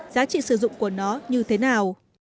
giá trị sử dụng của nó như thế nào